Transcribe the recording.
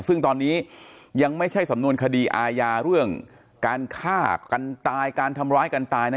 ซึ่งตอนนี้ยังไม่ใช่สำนวนคดีอาญาเรื่องการฆ่ากันตายการทำร้ายกันตายนะ